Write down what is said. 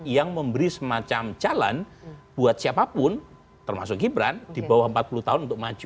yang memberi semacam jalan buat siapapun termasuk gibran di bawah empat puluh tahun untuk maju